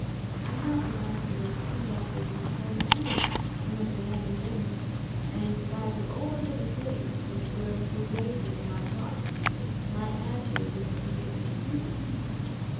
I had to answer those two letters in the same spirit in which they had been written, and in spite of all the bitter feelings which were then raging in my heart, my answers were to be as sweet as honey.